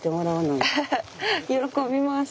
喜びます。